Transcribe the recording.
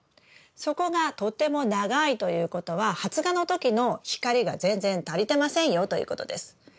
そこがとても長いということは発芽の時の光が全然足りてませんよということです。